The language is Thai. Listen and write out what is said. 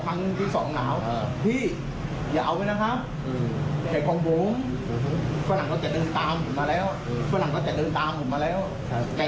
ฝนังเขาจะเดินตามผมมาแล้วอืมฝนังเขาจะเดินตามผมมาแล้วใช่